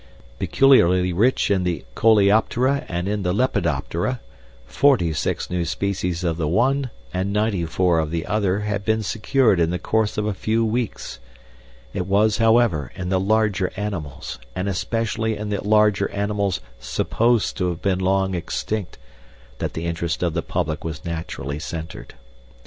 Peculiarly rich in the coleoptera and in the lepidoptera, forty six new species of the one and ninety four of the other had been secured in the course of a few weeks. It was, however, in the larger animals, and especially in the larger animals supposed to have been long extinct, that the interest of the public was naturally centered.